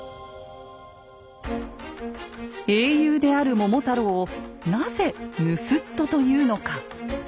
英雄である桃太郎をなぜ盗人と言うのか。